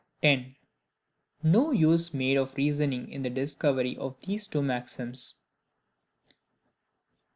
10. No use made of reasoning in the discovery of these two maxims.